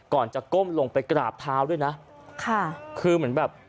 ก่อนจะก้มลงไปกราบเท้าด้วยนะค่ะคือเหมือนแบบ